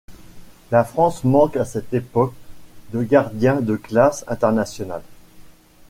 La France manque à cette époque de gardiens de classe internationale.